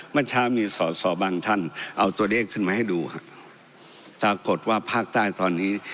เมื่อเช้ามีสอสอบางท่านเอาตัวเลขขึ้นมาให้ดูฮะปรากฏว่าภาคใต้ตอนนี้